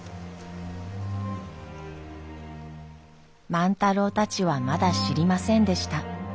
万太郎たちはまだ知りませんでした。